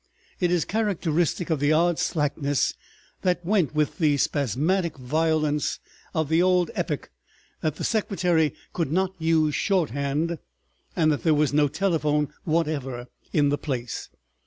It is characteristic of the odd slackness that went with the spasmodic violence of the old epoch, that the secretary could not use shorthand and that there was no telephone whatever in the place.